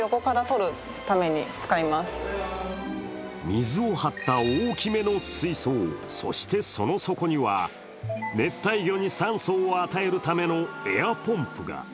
水を張った大きめの水槽、そしてその底には熱帯魚に酸素を与えるためのエアポンプが。